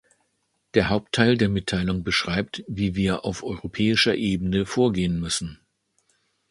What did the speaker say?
Der Hauptteil der Mitteilung beschreibt, wie wir auf europäischer Ebene vorgehen müssen.